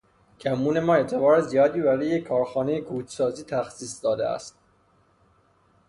کمون ما اعتبار زیادی برای یک کارخانهٔ کودسازی تخصیص داده است.